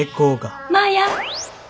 マヤ。